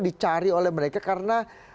dicari oleh mereka karena